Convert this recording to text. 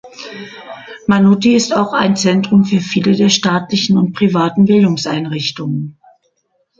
Mannuthy ist auch ein Zentrum für viele der staatlichen und privaten Bildungseinrichtungen.